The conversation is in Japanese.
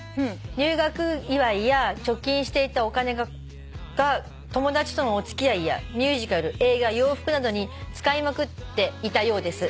「入学祝いや貯金していたお金が友達とのお付き合いやミュージカル映画洋服などに使いまくっていたようです」